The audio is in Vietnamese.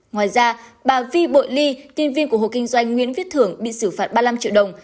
ngoài ra bà vi bội ly nhân viên của hộ kinh doanh nguyễn viết thưởng bị xử phạt ba mươi năm triệu đồng